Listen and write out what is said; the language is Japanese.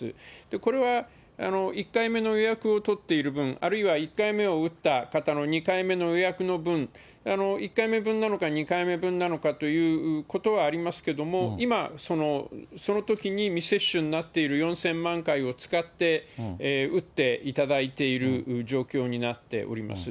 これは１回目の予約を取っている分、あるいは１回目を打った方の２回目の予約の分、１回目分なのか２回目分なのかということはありますけれども、今、そのときに未接種になっている４０００万回を使って、打っていただいている状況になっております。